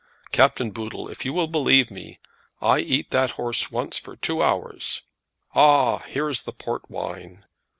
Captain Boodle, if you will believe me, I eat that horse once for two hours. Ah, here is the port wine.